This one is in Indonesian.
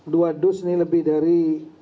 dua dus ini lebih dari